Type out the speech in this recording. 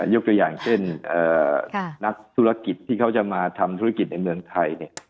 ยกตัวอย่างเช่นนักธุรกิจที่เขาจะมาทำธุรกิจในเมืองไทย